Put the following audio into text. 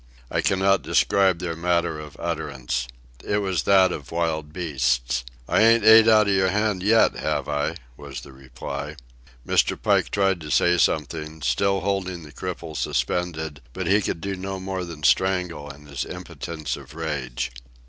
I cannot describe their manner of utterance. It was that of wild beasts. "I ain't ate outa your hand yet, have I?" was the reply. Mr. Pike tried to say something, still holding the cripple suspended, but he could do no more than strangle in his impotence of rage.